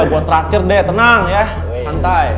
buat traktir deh tenang ya